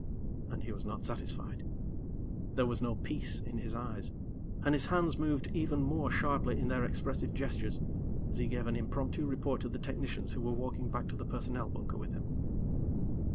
And he was not satisfied. There was no peace in his eyes, and his hands moved even more sharply in their expressive gestures as he gave an impromptu report to the technicians who were walking back to the personnel bunker with him.